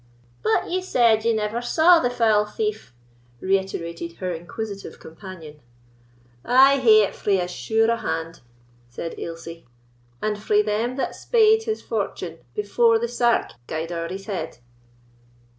"But ye said ye never saw the foul thief," reiterated her inquisitive companion. "I hae it frae as sure a hand," said Ailsie, "and frae them that spaed his fortune before the sark gaed ower his head."